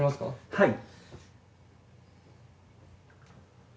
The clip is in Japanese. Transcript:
はい。